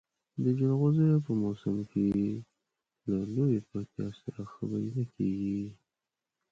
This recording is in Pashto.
د جلغوزیو په موسم کې له لویې پکتیا سره خبرې نه کېږي.